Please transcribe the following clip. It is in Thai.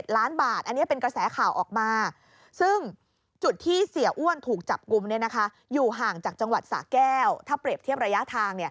รายยาวถ้าเปรียบเทียบระยะทาง